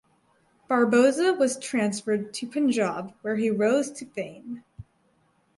Barboza was transferred to Punjab where he rose to fame.